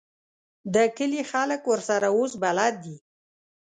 د کلي خلک ورسره اوس بلد دي.